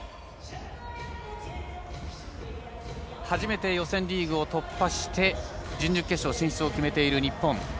初めて予選リーグを突破して準々決勝進出を決めている日本。